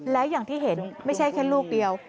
และอย่างที่เห็นไม่ใช่แค่ลูกเดียว